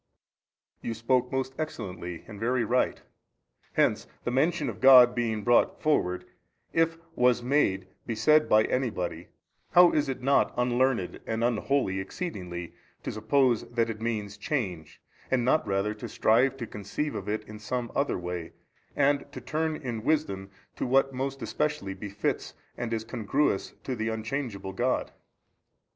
A. You spoke most excellently, and very right. Hence the mention of God being brought forward, if Was made be said by any body, how is it not unlearned and unholy exceedingly to suppose that it means change, and not rather to strive to conceive of it in some other way, and to turn in wisdom to what most especially befits and is congruous to the Unchangeable God?